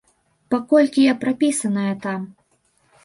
Паколькі я прапісаная там.